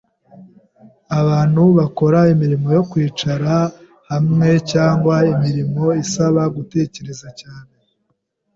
abantu bakora imirimo yo kwicara hamwe cyangwa imirimo isaba gutekereza cyane